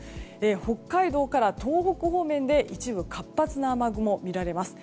北海道から東北方面で一部活発な雨雲が見られます。